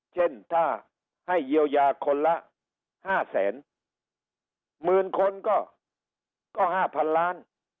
เช่นถ้าให้เยียวยาคนละ๕แสนหมื่นคนก็๕๐๐๐ล้าน